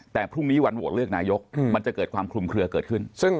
แต่พรุ่งนี้วันโหวตเลือกนายกมันจะเกิดความคลุมเคลือเกิดขึ้น